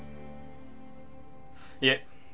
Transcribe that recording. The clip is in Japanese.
いえ